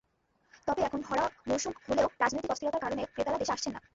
তবে এখন ভরা মৌসুম হলেও রাজনৈতিক অস্থিরতার কারণে ক্রেতারা দেশে আসছেন না।